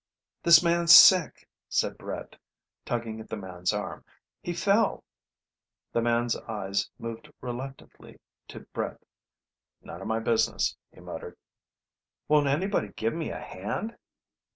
"This man's sick," said Brett, tugging at the man's arm. "He fell." The man's eyes moved reluctantly to Brett. "None of my business," he muttered. "Won't anybody give me a hand?"